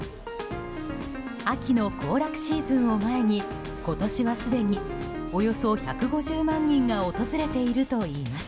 秋の行楽シーズンを前に今年はすでにおよそ１５０万人が訪れているといいます。